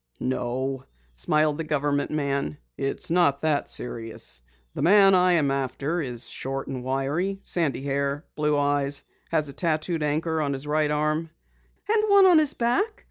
"No," smiled the government man, "it's not that serious. The man I am after is short and wiry, sandy hair and blue eyes. He has a tattooed anchor on his right arm." "And one on his back?"